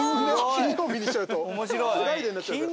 金曜日にしちゃうとフライデーになっちゃうから。